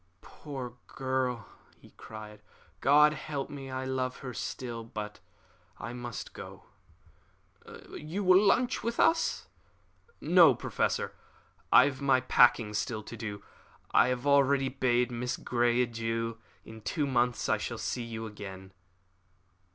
"Poor girl!" he cried. "God help me, I love her still! But I must go." "You will lunch with us?" "No, Professor; I have my packing still to do. I have already bade Miss Grey adieu. In two months I shall see you again."